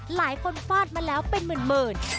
ฟาดมาแล้วเป็นหมื่น